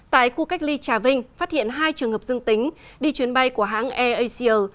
tại khu cách ly trà vinh phát hiện hai trường hợp dương tính đi chuyến bay của hãng airasia